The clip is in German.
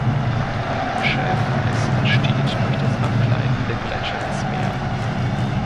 Ein Schelfeis entsteht durch das Abgleiten der Gletscher ins Meer.